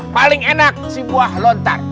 paling enak si buah lontar